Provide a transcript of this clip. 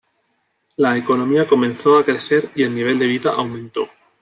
La economía comenzó a crecer y el nivel de vida aumentó.